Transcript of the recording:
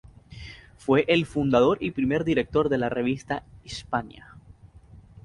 Fue el fundador y primer director de la revista Hispania.